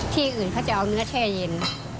ที่อื่นเขาจะเอาเนื้อแช่เย็น